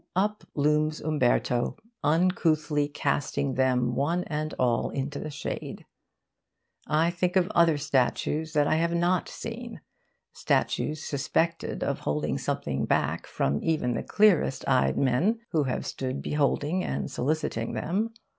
Up looms Umberto, uncouthly casting them one and all into the shade. I think of other statues that I have not seen statues suspected of holding something back from even the clearest eyed men who have stood beholding and soliciting them.